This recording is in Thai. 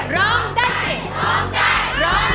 ร้องได้๔ร้องได้ร้อง